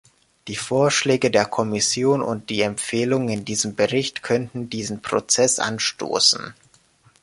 Die Vorschläge der Kommission und die Empfehlungen in diesem Bericht könnten diesen Prozess anstoßen.